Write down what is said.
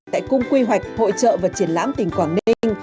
tại cung quy hoạch hội trợ và triển lãm tỉnh quảng ninh